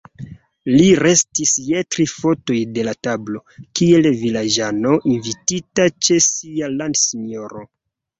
Li restis je tri futoj de la tablo, kiel vilaĝano invitita ĉe sia landsinjoro.